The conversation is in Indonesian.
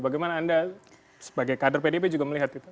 bagaimana anda sebagai kader pdp juga melihat itu